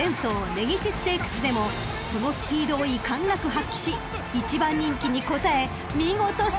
根岸ステークスでもそのスピードを遺憾なく発揮し１番人気に応え見事勝利！］